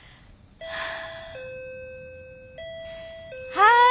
はい。